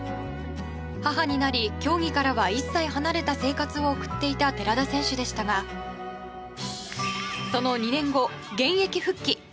母になり競技からは一切離れた生活を送っていた寺田選手でしたがその２年後、現役復帰。